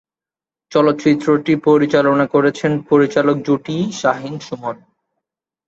চলচ্চিত্রটি পরিচালনা করেছেন পরিচালক জুটি শাহীন-সুমন।